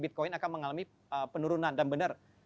bitcoin akan mengalami penurunan dan benar